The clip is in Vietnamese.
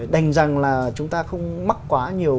đành rằng là chúng ta không mắc quá nhiều